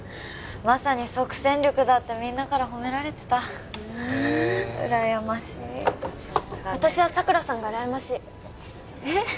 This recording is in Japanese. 「まさに即戦力だ」ってみんなからほめられてたへえうらやましい私は佐倉さんがうらやましいえっ！？